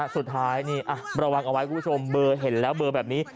สุดท้ายนี่ระวังเอาไว้คุณผู้ชมเบอร์เห็นแล้วเบอร์แบบนี้